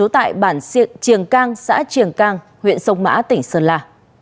tại bản siệng triềng cang xã triềng cang huyện sông mã tỉnh sơn la